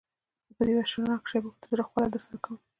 زه په دې وحشتناکو شېبو کې د زړه خواله درسره کوم.